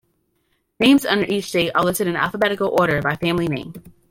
Names under each date are listed in alphabetical order by family name.